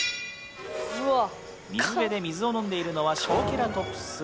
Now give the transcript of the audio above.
水辺で水を飲んでいるのはショウケラトプス。